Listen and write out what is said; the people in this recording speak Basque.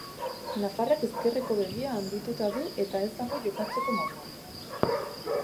Nafarrak ezkerreko begia handiduta du eta ez dago jokatzeko moduan.